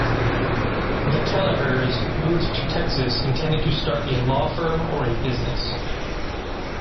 The Kellehers moved to Texas intending to start a law firm or a business.